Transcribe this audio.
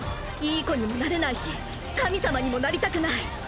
いい子にもなれないし神様にもなりたくない。